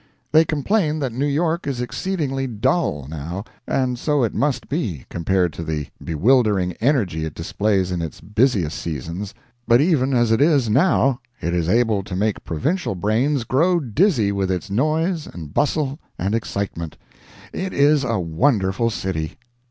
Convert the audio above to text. They complain that New York is excessively dull, now, and so it must be, compared to the bewildering energy it displays in its busiest seasons—but even as it is now it is able to make provincial brains grow dizzy with its noise, and bustle, and excitement. It is a wonderful city.